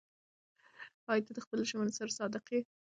ایا ته د خپلو ژمنو سره صادق یې؟